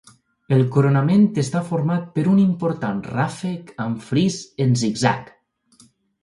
El coronament està format per un important ràfec amb fris en zig-zag.